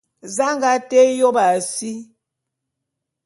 Za a nga té yôp a si?